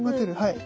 はい。